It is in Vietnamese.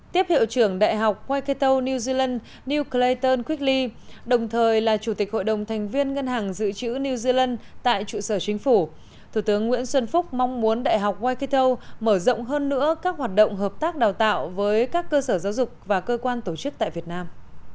tiếp hiệu trưởng đại học whikito new zealand new cleton kickli đồng thời là chủ tịch hội đồng thành viên ngân hàng dự trữ new zealand tại trụ sở chính phủ thủ tướng nguyễn xuân phúc mong muốn đại học wikitto mở rộng hơn nữa các hoạt động hợp tác đào tạo với các cơ sở giáo dục và cơ quan tổ chức tại việt nam